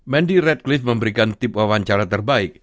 mandy redcliffe memberikan tip wawancara terbaik